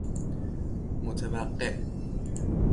متوقع